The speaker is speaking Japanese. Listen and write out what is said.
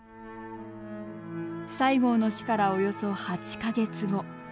西郷の死からおよそ８か月後。